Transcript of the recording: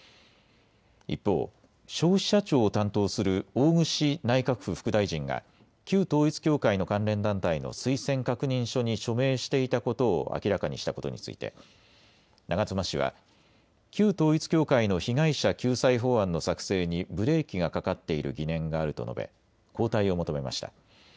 一方、消費者庁を担当する大串内閣府副大臣が旧統一教会の関連団体の推薦確認書に署名していたことを明らかにしたことについて長妻氏は旧統一教会の被害者救済法案の作成にブレーキがかかっている疑念があると述べ交代を求めました。